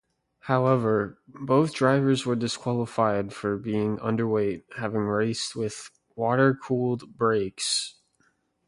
However, both drivers were disqualified for being underweight, having raced with "water-cooled brakes".